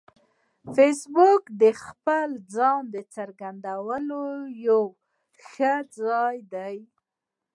فېسبوک د خپل ځان څرګندولو یو ښه ځای دی